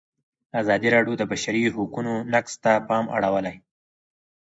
ازادي راډیو د د بشري حقونو نقض ته پام اړولی.